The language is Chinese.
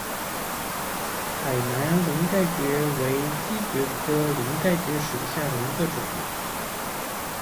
海南鳞盖蕨为姬蕨科鳞盖蕨属下的一个种。